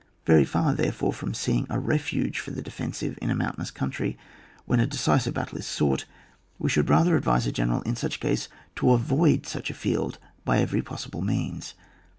Very far therefore from seeing a refuge for the defensive, in a mountainous country, when a decisive battle is sought, we should rather advise a general in such a case to avoid such a field by every pos* sible means.